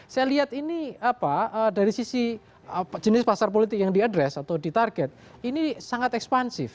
saya lihat ini apa dari sisi jenis pasar politik yang diadres atau di target ini sangat ekspansif